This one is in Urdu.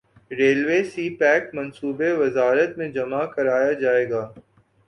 ریلوے سی پیک منصوبہ وزارت میں جمع کرایا جائے گا